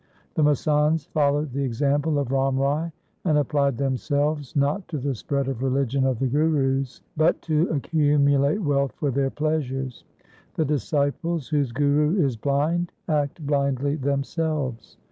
The masands followed the example of Ram Rai, and applied themselves, not to spread the religion of the Gurus, but to accumulate wealth for their pleasures. The disciples whose guru is blind act blindly themselves.